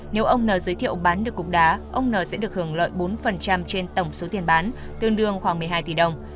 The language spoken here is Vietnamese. nếu ông n giới thiệu bán được cục đá ông n sẽ được hưởng lợi bốn trên tổng số tiền bán tương đương khoảng một mươi hai tỷ đồng